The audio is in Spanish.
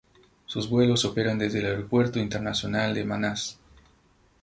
Sus vuelos operan desde el Aeropuerto Internacional de Manas.